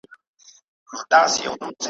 د پاکستان اوسنۍ نظامي رهبري